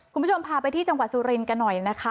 คุณผู้ชมพาไปที่จังหวัดสุรินทร์กันหน่อยนะคะ